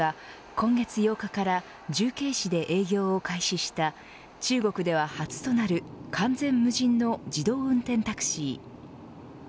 中国のＩＴ大手バイドゥが今月８日から重慶市で営業を開始した中国では初となる完全無人の自動運転タクシー。